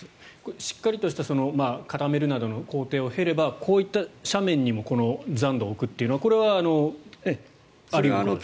しっかりとした固めるなどの工程を経ればこういった斜面にも残土を置くというのはこれはあり得るんですか。